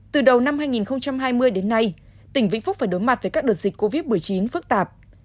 từ đầu năm hai nghìn hai mươi đến nay tỉnh vĩnh phúc phải đối mặt với các đợt dịch covid một mươi chín phức tạp